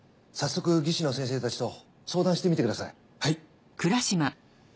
早速技師の先生たちと相談してみてください。